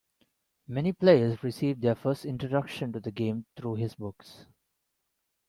Many players received their first introduction to the game through his books.